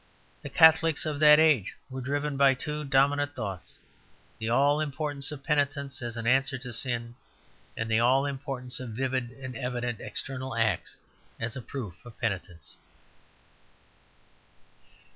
The Catholics of that age were driven by two dominant thoughts: the all importance of penitence as an answer to sin, and the all importance of vivid and evident external acts as a proof of penitence.